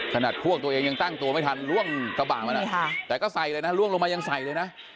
ขนาดพวกตัวเองยังตั้งตัวไม่ทันล่วงกระบะมานะแต่ก็ใส่เลยนะล่วงลงมายังใส่เลยนะ